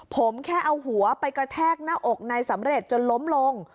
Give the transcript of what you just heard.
ผมแค่เอาหัวไปกระแทกหน้าอกนายสำเร็จจนล้มลง